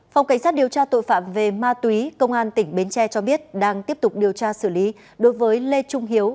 phòng cảnh sát điều tra tội phạm về ma túy công an tỉnh bến tre cho biết đang tiếp tục điều tra xử lý đối với lê trung hiếu